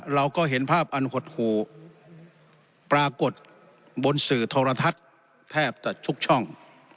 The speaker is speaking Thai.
เราก็เห็นภาพอันหดหูปรากฏบนสื่อโทรทัศน์แทบจัดทุกช่อง